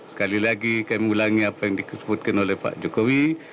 sekali lagi kami ulangi apa yang disebutkan oleh pak jokowi